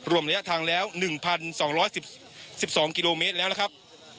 รวมระยะทางแล้วหนึ่งพันสองร้อยสิบสิบสองกิโลเมตรแล้วนะครับ